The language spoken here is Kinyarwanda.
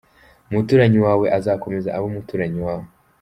Umuturanyi wawe azakomeza abe umuturanyi wawe.